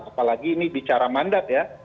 apalagi ini bicara mandat ya